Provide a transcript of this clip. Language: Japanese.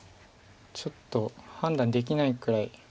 ちょっと判断できないくらい。